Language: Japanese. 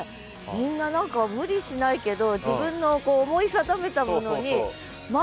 みんな何か無理しないけど自分の思い定めたものにまっすぐね。